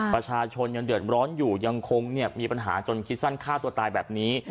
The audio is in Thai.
ประชาชนยังเดือดร้อนอยู่ยังคงมีปัญหาจนคิดสั้นฆ่าตัวตายแบบนี้